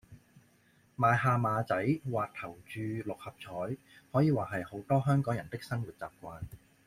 買下馬仔或投注六合彩可以話係好多香港人的生活習慣